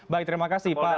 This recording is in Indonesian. baik terima kasih pak